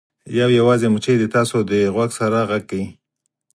یو یوازې مچۍ ستاسو د غوږ سره غږ کوي